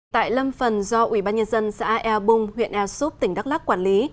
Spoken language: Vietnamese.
tại lâm phần do ủy ban nhân dân xã ea bung huyện ea súp tỉnh đắk lắc quản lý